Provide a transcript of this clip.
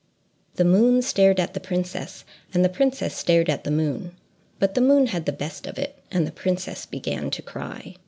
The moon stared at the princess, and the princess stared at the moon; but the moon had the best of it, and the princess began to cry.